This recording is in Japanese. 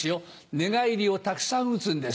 寝返りをたくさん打つんです。